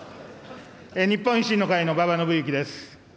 日本維新の会の馬場伸幸です。